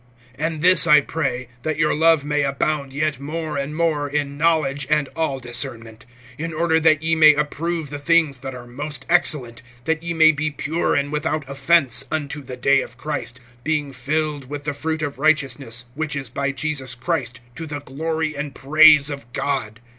(9)And this I pray, that your love may abound yet more and more, in knowledge and all discernment; (10)in order that ye may approve the things that are most excellent[1:10], that ye may be pure and without offense unto the day of Christ; (11)being filled with the fruit of righteousness, which is by Jesus Christ, to the glory and praise of God.